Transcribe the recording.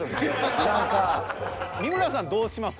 三村さんどうします？